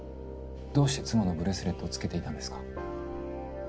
どうして妻のブレスレットをつけていたんですか？